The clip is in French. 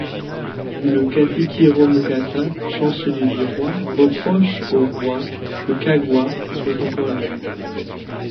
Le Katikkiro Mukasa, chancelier du roi, reproche au roi que Kaggwa soit encore libre.